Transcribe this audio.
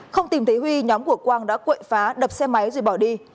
không tìm thấy huy nhóm của quang đã quậy phá đập xe máy rồi bỏ đi